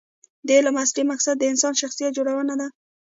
د علم اصلي مقصد د انسان شخصیت جوړونه ده.